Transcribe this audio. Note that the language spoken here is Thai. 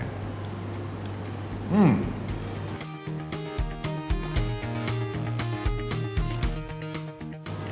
อืม